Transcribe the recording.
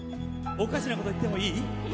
おかしなこと言ってもいい？